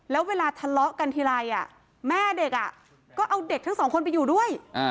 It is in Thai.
แล้วเวลาทะเลาะกันทีไรแม่เด็กก็เอาเด็กทั้งสองคนไปอยู่ด้วย